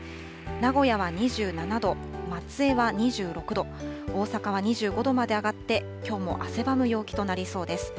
名古屋は２７度、松江は２６度、大阪は２５度まで上がって、きょうも汗ばむ陽気となりそうです。